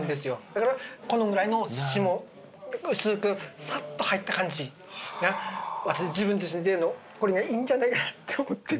だからこのぐらいの霜薄くさっと入った感じが私自分自身でこれがいいんじゃないかなって思って。